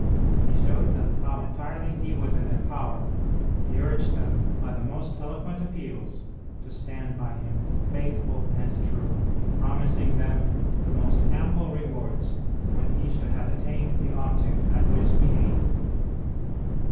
He showed them how entirely he was in their power; he urged them, by the most eloquent appeals, to stand by him, faithful and true, promising them the most ample rewards when he should have attained the object at which he aimed.